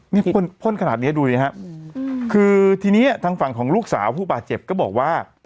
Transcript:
นี่พ่นขนาดเนี้ยดูสิฮะคือทีนี้ทางฝั่งของลูกสาวผู้บาดเจ็บก็บอกว่า